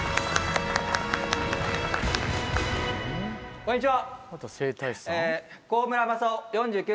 こんにちは！